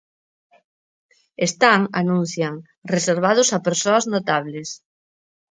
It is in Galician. Están, anuncian, "reservados a persoas notables".